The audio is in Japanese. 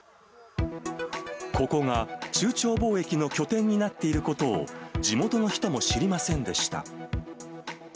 ここが中朝貿易の拠点になっていることを、地元の人も知りませんでした。